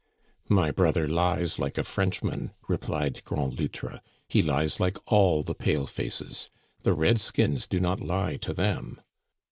My brother lies like a Frenchman," replied Grand Loutre. '* He lies like all the pale faces. The red skins do not lie to them."